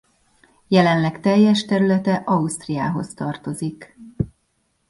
Jelenleg teljes területe Ausztriához tartozik.